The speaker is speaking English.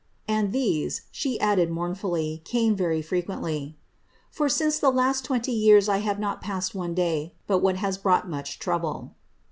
^And these,' she added mournfully, came very frequently, ^ for since the last twenty yean I iiave not passed one day, but what has brought much trouble.'